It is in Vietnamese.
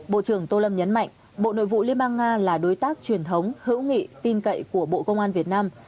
bộ trưởng tô lâm nhấn mạnh bộ nội vụ liên bang nga là đối tác truyền thống hữu nghị tin cậy của bộ công an việt nam